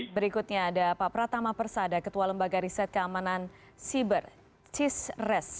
berikutnya ada pak pratama persada ketua lembaga riset keamanan siber cisres